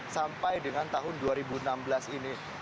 sampai dengan tahun dua ribu enam belas ini